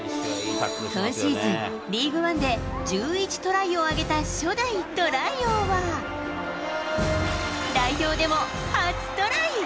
今シーズン、リーグワンで１１トライを挙げた初代トライ王は、代表でも初トライ。